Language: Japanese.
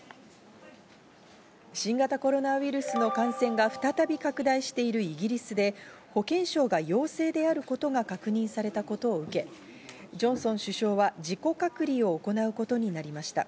新型コロナウイルスの感染が再び拡大しているイギリスで保健相が陽性であることが確認されたことを受け、ジョンソン首相は自己隔離を行うことになりました。